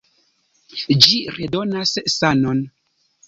Ĝi redonas sanon!